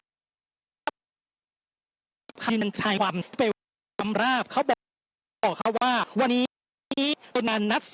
พริกษีนัทท้ายความที่ไปกำลาบเขาบอกเขาว่าวันนี้นั้นนัท